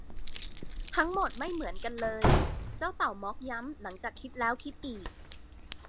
ทั้งหมดไม่เหมือนกันเลย เจ้าเต่าม็อคย้ำหลังจากคิดแล้วคิดอีก